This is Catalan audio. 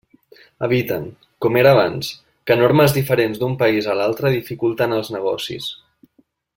Eviten, com era abans, que normes diferents d'un país a l'altre dificulten els negocis.